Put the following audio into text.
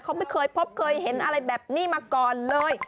เขาไม่เคยพบเคยเห็นอะไรแบบนี้มาก่อนเลย